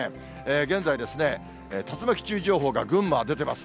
現在ですね、竜巻注意情報が群馬、出てます。